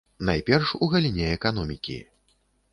Найперш, у галіне эканомікі.